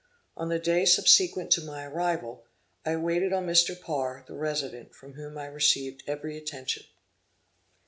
On the day subsequent to my arrival, I waited on Mr. Parr the resident, from whom I received every attention.